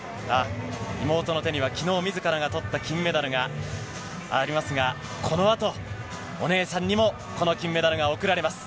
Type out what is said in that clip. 妹の手には、きのう、みずからとった金メダルがありますが、このあと、お姉さんにもこの金メダルが贈られます。